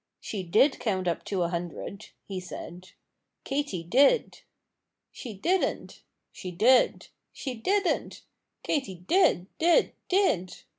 "She did count up to a hundred," he said, "Katy did!" "She didn't" "She did!" "She didn't!" "Katy did, did, did!"